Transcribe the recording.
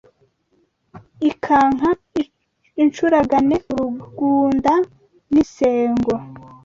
Ikanka incuragane urugunda n’Insengo